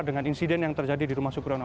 dengan insiden yang terjadi di rumah subrono